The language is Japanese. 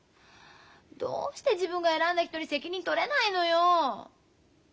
どうして自分が選んだ人に責任取れないのよ。